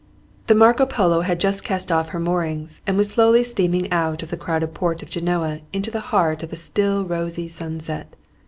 The "Marco Polo" had just cast off her moorings, and was slowly steaming out of the crowded port of Genoa into the heart of a still rosy sunset.